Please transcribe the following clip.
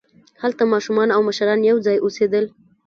هلته ماشومان او مشران یوځای اوسېدل.